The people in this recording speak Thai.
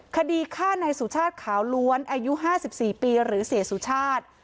คดีฆ่าในสุชาติขาวล้วนอายุ๕๔ปีหรือเสียสุชาติ